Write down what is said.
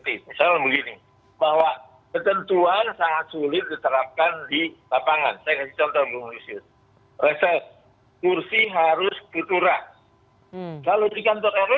kami mengundang mendagri